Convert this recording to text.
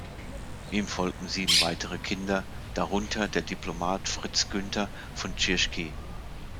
Ihm folgten sieben weitere Kinder, darunter der Diplomat Fritz Günther von Tschirschky.